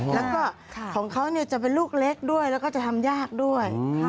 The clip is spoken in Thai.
แล้วก็ของเขาจะเป็นลูกเล็กด้วยแล้วก็จะทำยากด้วย